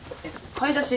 買い出し。